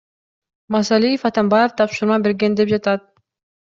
Масалиев Атамбаев тапшырма берген деп жатат.